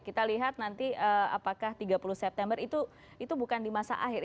kita lihat nanti apakah tiga puluh september itu bukan di masa akhir